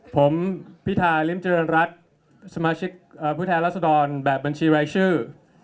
ผมพิธาริมเจริญรัฐสมาชิกผู้แทนรัศดรแบบบัญชีรายชื่อ